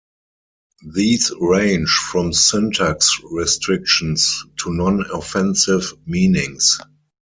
These range from syntax restrictions to non-offensive meanings.